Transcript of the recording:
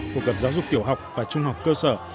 phổ cập giáo dục tiểu học và trung học cơ sở